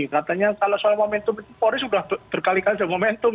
katanya kalau soal momentum pori sudah berkali kali momentum